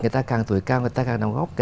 người ta càng tuổi cao người ta càng nằm góc